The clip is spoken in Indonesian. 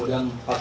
satu semua oleh